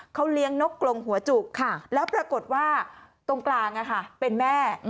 เขาเลี้ยงนกกลงหัวจุกแล้วปรากฏว่าตรงกลางเป็นแม่